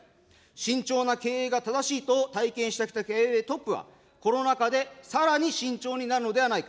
慎重な経営が正しいと体験してきた経営トップは、コロナ禍でさらに慎重になるのではないか。